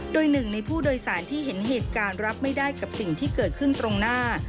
โดยหนึ่งในผู้โดยสารที่เห็นเหตุการณ์รับไม่ได้กับสิ่งที่เกิดขึ้นตรงหน้า